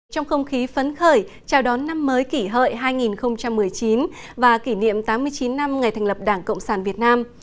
trong không khí phấn khởi chào đón năm mới kỷ hợi hai nghìn một mươi chín và kỷ niệm tám mươi chín năm ngày thành lập đảng cộng sản việt nam